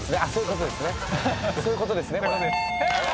そういうことですねこれ。